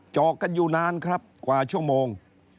อกกันอยู่นานครับกว่าชั่วโมง